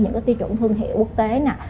những tiêu chuẩn thương hiệu quốc tế